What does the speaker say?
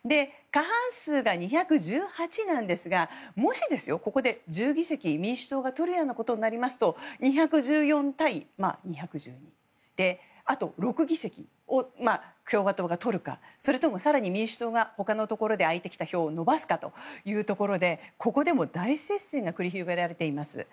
過半数が２１８なんですがもし、ここで１０議席、民主党がとるようなことになりますと２１４対２１２であと６議席を共和党がとるかそれとも更に民主党が他のところで開いてきた票を伸ばすかというところでここでも大接戦が繰り広げられています。